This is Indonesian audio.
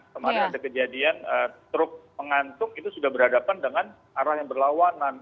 kemarin ada kejadian truk pengantuk itu sudah berhadapan dengan arah yang berlawanan